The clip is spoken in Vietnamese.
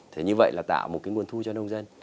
thì như vậy là tạo một cái nguồn thu cho nông dân